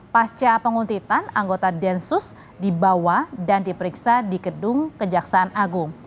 pasca penguntitan anggota densus dibawa dan diperiksa di gedung kejaksaan agung